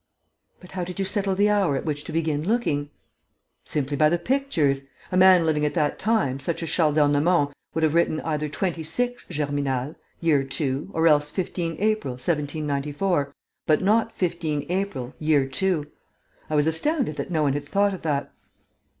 "But how did you settle the hour at which to begin looking?" "Simply by the pictures. A man living at that time, such as Charles d'Ernemont, would have written either 26 Germinal, Year II, or else 15 April, 1794, but not 15 April, Year II. I was astounded that no one had thought of that."